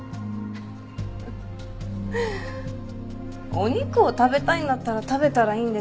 お肉を食べたいんだったら食べたらいいんです。